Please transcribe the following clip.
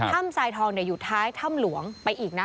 ทรายทองอยู่ท้ายถ้ำหลวงไปอีกนะ